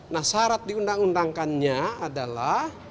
nah syarat diundang undangkannya adalah